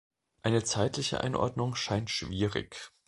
Eine zeitliche Einordnung scheint schwierig.